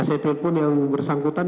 saya nelfon yang bersangkutan